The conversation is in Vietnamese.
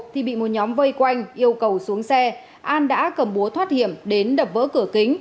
thì bị một nhóm vây quanh yêu cầu xuống xe an đã cầm búa thoát hiểm đến đập vỡ cửa kính